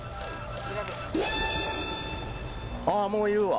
あぁもういるわ。